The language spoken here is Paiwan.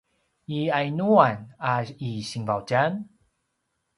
i yainuan a i Sinvaudjan?